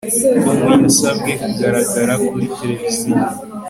Tom yasabwe kugaragara kuri tereviziyo